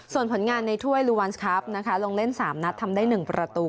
ส่วนผลงานในถ้วยลูวันสครับนะคะลงเล่น๓นัดทำได้๑ประตู